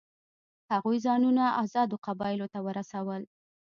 هغوی ځانونه آزادو قبایلو ته ورسول.